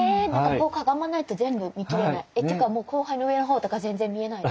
こうかがまないと全部見きれない。というか光背の上の方とか全然見えない。